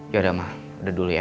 yaudah mah udah dulu ya